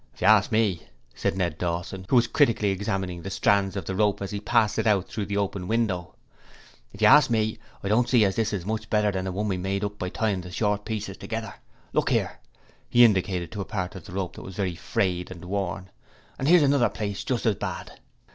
'If you ask me,' said Ned Dawson, who was critically examining the strands of the rope as he passed it out through the open window, 'If you ask me, I don't see as this is much better than the one we made up by tyin' the short pieces together. Look 'ere,' he indicated a part of the rope that was very frayed and worn 'and 'ere's another place just as bad.'